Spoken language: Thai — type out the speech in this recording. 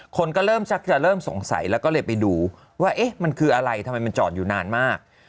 คนก็เริ่มสงสัยแล้วก็เลยไปดูว่ามันคืออะไรทำไมมันจอดอยู่นานมาก